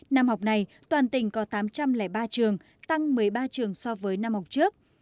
năm học này toàn tỉnh có tám trăm linh ba trường tăng một mươi ba trường so với năm học trước